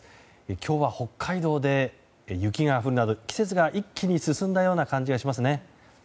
今日は北海道で雪が降るなど季節が一気に進んだような感じがしますね。